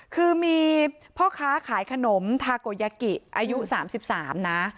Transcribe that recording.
คือมีพ่อค้าขายขนมทาโกยากิอายุ๓๓นะ